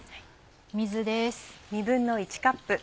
水です。